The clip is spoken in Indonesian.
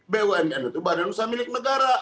bumn itu badan usaha milik negara